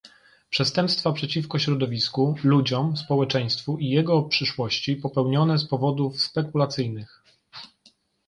przestępstwa przeciwko środowisku, ludziom, społeczeństwu i jego przyszłości popełnione z powodów spekulacyjnych